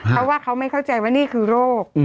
เพราะว่าเขาไม่เข้าใจว่านี่คือโรค